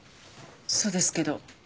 そうですけど。